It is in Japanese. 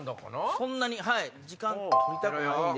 そんなに時間とりたくないんで。